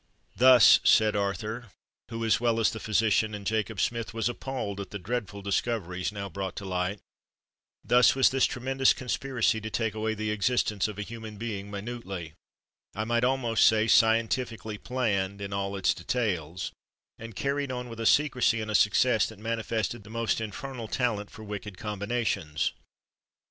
"Thus," said Arthur, who, as well as the physician and Jacob Smith, was appalled at the dreadful discoveries now brought to light,—"thus was this tremendous conspiracy to take away the existence of a human being, minutely—I may almost say, scientifically planned in all its details, and carried on with a secrecy and a success that manifested the most infernal talent for wicked combinations!